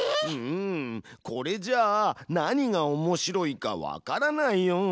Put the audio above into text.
うんこれじゃあ何がおもしろいかわからないよ。